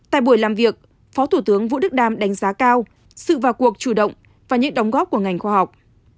tại buổi làm việc phó thủ tướng vũ đức đam đánh giá cao sự vào cuộc chủ động và những đóng góp của ngành khoa học